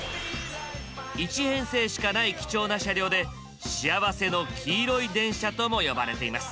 １編成しかない貴重な車両で「幸せの黄色い電車」とも呼ばれています。